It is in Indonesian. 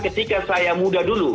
ketika saya muda dulu